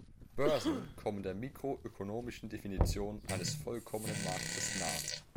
Börsen kommen der mikroökonomischen Definition eines vollkommenen Marktes nahe.